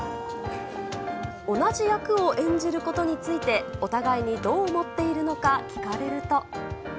同じ役を演じることについて、お互いにどう思っているのか聞かれると。